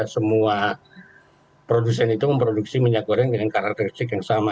semua produsen itu memproduksi minyak goreng dengan karakteristik yang sama